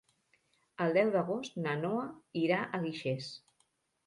El deu d'agost na Noa irà a Guixers.